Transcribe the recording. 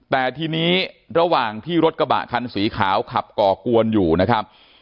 แต่ทีนี้ระหว่างที่รถกระบะคันสีขาวขับก่อกวนอยู่นะครับ